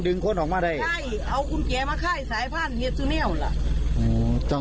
ได้เอาคุณแก๊คมาท่ายหรอก